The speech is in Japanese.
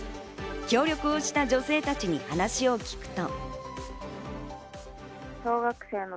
協力をした女性たちに話を聞くと。